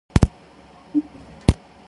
A punk pop cover of "Last Christmas" by Wham!